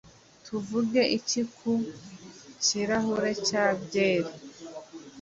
tuvuge iki ku kirahure cya byeri